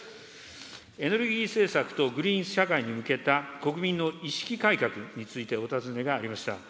エネルギー政策とグリーン社会に向けた国民の意識改革についてお尋ねがありました。